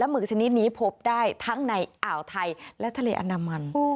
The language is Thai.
หือชนิดนี้พบได้ทั้งในอ่าวไทยและทะเลอันดามัน